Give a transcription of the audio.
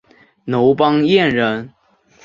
楼邦彦人。